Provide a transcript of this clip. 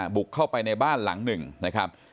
บุกเข้าไปในบ้านหลังหนึ่งนะครับ